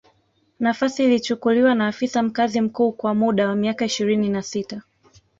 Nafasi ilichukuliwa na afisa mkazi mkuu kwa muda wa miaka ishirini na sita